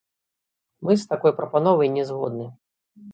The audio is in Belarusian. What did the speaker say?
Мы з такой прапановай не згодны.